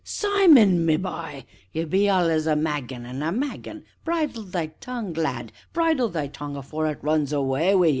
Simon, my bye you be allus a maggin' an' a maggin'; bridle thy tongue, lad, bridle thy tongue afore it runs away wi' ye.